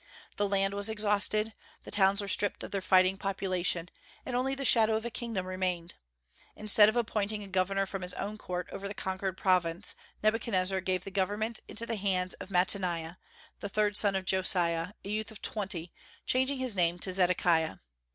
The land was exhausted; the towns were stripped of their fighting population, and only the shadow of a kingdom remained. Instead of appointing a governor from his own court over the conquered province, Nebuchadnezzar gave the government into the hands of Mattaniah, the third son of Josiah, a youth of twenty, changing his name to Zedekiah.